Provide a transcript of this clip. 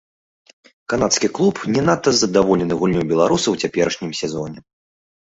Канадскі клуб не надта задаволены гульнёй беларуса ў цяперашнім сезоне.